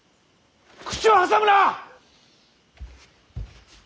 口を挟むな！